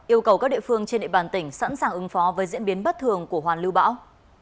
yêu cầu các địa phương trên địa bàn tỉnh sẵn sàng ứng phó với diễn biến bất thường của hoàn lưu bão